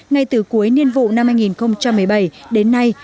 ngay từ cuối niên vụ năm hai nghìn một mươi bảy đến nay